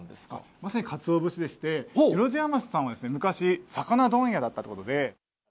まさにかつお節でして、万屋町さんは昔、魚問屋だったということで。